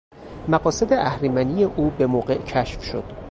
مقاصد اهریمنی او بهموقع کشف شد.